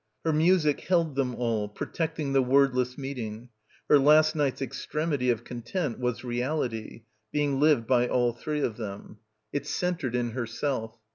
Her music held them all, protecting the word less meeting. Her last night's extremity of con tent was reality, being lived by all three of them. It centred in herself.